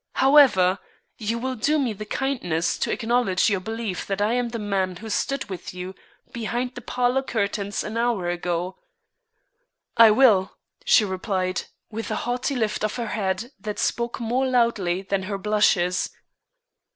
However, you will do me the kindness to acknowledge your belief that I am the man who stood with you behind the parlor curtains an hour ago." "I will," she replied, with a haughty lift of her head that spoke more loudly than her blushes.